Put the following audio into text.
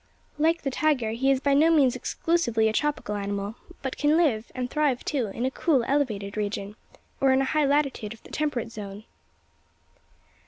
Like the tiger, he is by no means exclusively a tropical animal; but can live, and thrive too, in a cool, elevated region, or in a high latitude of the temperate zone."